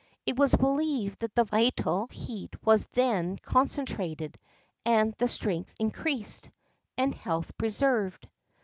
It was believed that the vital heat was thus concentrated, the strength increased, and health preserved.